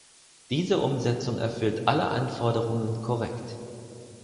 Diese Umsetzung erfüllt alle Anforderungen korrekt.